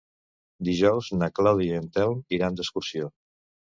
Dijous na Clàudia i en Telm iran d'excursió.